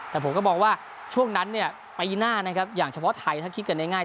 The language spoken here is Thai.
แต่ผมก็มองว่าช่วงนั้นเนี่ยปีหน้านะครับอย่างเฉพาะไทยถ้าคิดกันง่าย